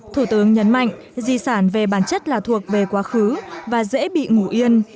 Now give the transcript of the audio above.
thủ tướng nhấn mạnh di sản về bản chất là thuộc về quá khứ và dễ bị ngủ yên